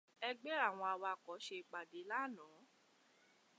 Ẹgbẹ́ àwọn awakọ̀ ṣe ìpàdé lánàá.